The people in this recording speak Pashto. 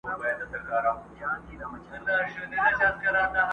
ښوونځی اکاډیمی پوهنتونونه٫